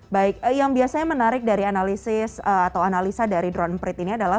baik yang biasanya menarik dari analisis atau analisa dari drone emprit ini adalah